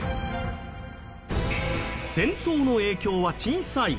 戦争の影響は小さい。